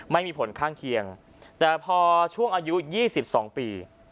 ไม่มีผลข้างเคียงแต่พอช่วงอายุ๒๒ปี